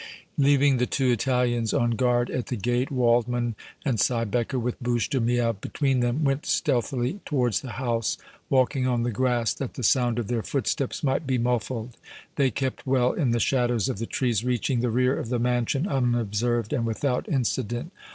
Leaving the two Italians on guard at the gate, Waldmann and Siebecker, with Bouche de Miel between them, went stealthily towards the house, walking on the grass that the sound of their footsteps might be muffled. They kept well in the shadows of the trees, reaching the rear of the mansion unobserved and without incident.